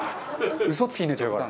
嘘つきになっちゃうから。